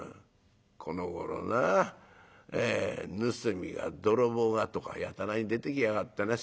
このごろな盗みや泥棒がとかやたらに出てきやがってね